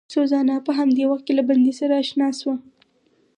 سوزانا په همدې وخت کې له بندي سره اشنا شوه.